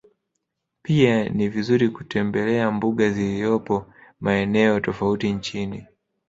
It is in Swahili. Pia ni vizuri kutembele mbuga ziolizopo maeneo tofauti nchini